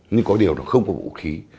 nhưng có điều nó không có vũ khí